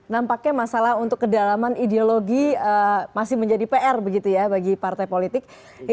nampaknya masalah untuk kedalaman ideologi masih menjadi pr begitu ya bagi partai politik